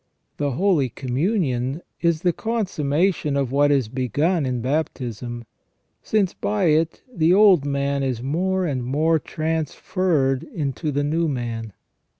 The Holy Communion is the consummation of what is begun in baptism, since by it the old man is more and more transferred into the new man.